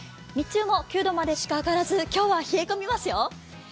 日中も９度までしか上がらず今日は冷え込みますよ。